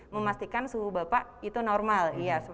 memastikan suhu bapak itu normal